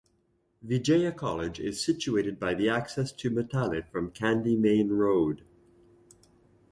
Vijaya College is situated by the access to Matale from Kandy Main Road.